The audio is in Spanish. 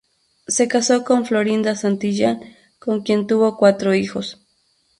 Se casó con Florinda Santillán, con quien tuvo cuatro hijos.